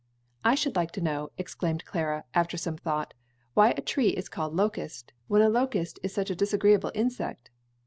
"I should like to know," exclaimed Clara, after some thought, "why a tree is called locust, when a locust is such a disagreeable insect?"